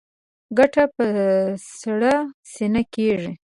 ګټه په سړه سینه کېږي.